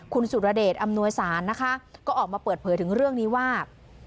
คุณสุรเดชอำนวยสารนะคะก็ออกมาเปิดเผยถึงเรื่องนี้ว่า